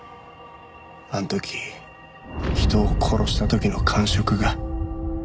あの時人を殺した時の感触が。